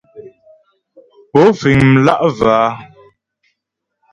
Pó fíŋ mlǎ'və a ?